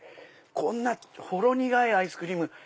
こんなほろ苦いアイスクリーム